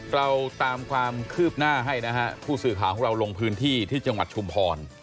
เราตามความคืบหน้าให้นะฮะผู้สื่อข่าวของเราลงพื้นที่ที่จังหวัดชุมพร